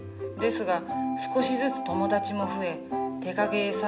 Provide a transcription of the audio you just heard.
ですが少しずつ友達も増え手影絵